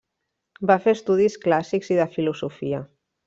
Va fer estudis clàssics i de filosofia.